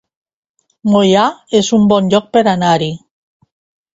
Moià es un bon lloc per anar-hi